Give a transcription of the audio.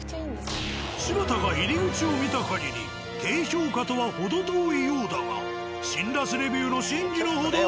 柴田が入り口を見た限り低評価とは程遠いようだが辛辣レビューの真偽の程は。